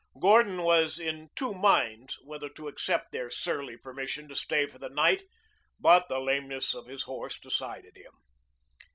Gordon was in two minds whether to accept their surly permission to stay for the night, but the lameness of his horse decided him.